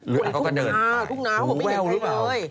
คุณน้าคุณน้าผมไม่เห็นใครเลย